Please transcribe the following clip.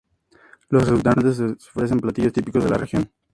Los restaurantes ofrecen platillos típicos de la Región.